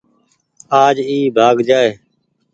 آج اي ڀآڳ جآئي ۔